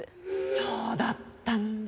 そうだったんだ。